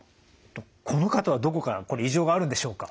この方はどこかこれ異常があるんでしょうか？